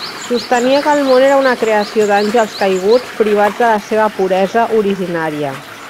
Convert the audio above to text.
Sostenia que el món era una creació d'àngels caiguts privats de la seva puresa originària.